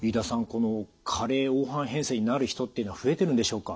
この加齢黄斑変性になる人っていうのは増えてるんでしょうか？